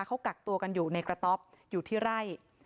เขากักตัวกันอยู่ในกระต๊อบอยู่ที่ไร่